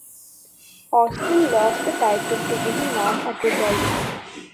Austin lost the title to Willie Mack at Rebellion.